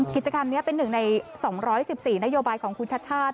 กิจกรรมนี้เป็นหนึ่งใน๒๑๔นโยบายของคุณชาติชาติ